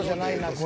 これ。